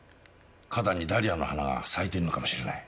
花壇にダリアの花が咲いているのかもしれない。